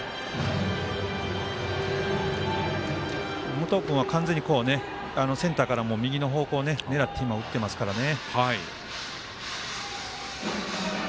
武藤君は完全にセンターから右の方向を狙って今、打ってますからね。